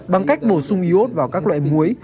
bằng cách bổ sung iốt vào các loại muối